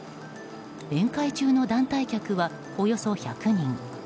宴会中の団体客はおよそ１００人。